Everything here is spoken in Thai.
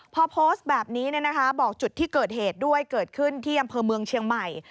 พอโพสต์แบบนี้บอกจุดที่เกิดเหตุด้วยเกิดขึ้นที่อำเภอเมืองเชียงใหม่